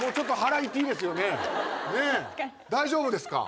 大丈夫ですか？